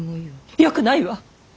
よくないわ！